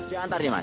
udah antar ya mas